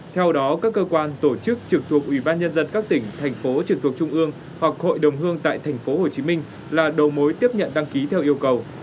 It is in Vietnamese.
theo đó các cơ quan tổ chức trực thuộc ủy ban nhân dân các tỉnh thành phố trực thuộc trung ương hoặc hội đồng hương tại tp hcm là đầu mối tiếp nhận đăng ký theo yêu cầu